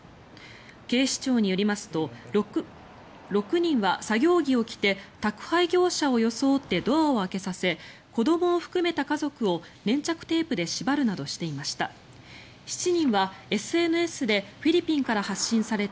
警視庁によりますと６人は作業着を着て宅配業者を装ってドアを開けさせ子どもを含めた家族を粘着テープで縛るなどしていました。